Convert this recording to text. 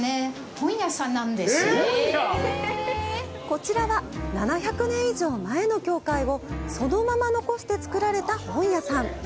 こちらは７００年以上前の教会をそのまま残して作られた本屋さん。